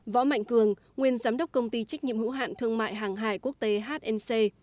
võ mạnh cường nguyên giám đốc công ty trách nhiệm hữu hạn thương mại hàng hải quốc tế hnc